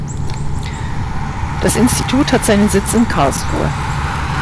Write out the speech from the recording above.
Das Institut hat seinen Sitz in Karlsruhe.